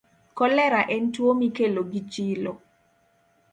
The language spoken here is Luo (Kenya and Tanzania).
Kolera en tuwo mikelo gi chilo.